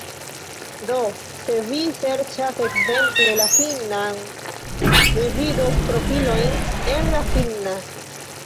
Do, se mi serĉas ekzemple la finnan, mi vidos profilojn en la finna.